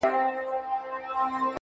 چي د وجود له آخرې رگه وتلي شراب~